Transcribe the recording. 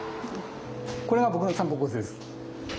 これが僕の散歩コースです。